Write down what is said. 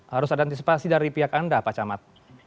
harus ada antisipasi dari pihak anda pak camat